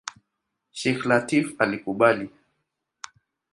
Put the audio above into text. Sheikh Lateef alikubali.